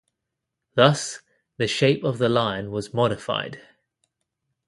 Thus the shape of the lion was modified.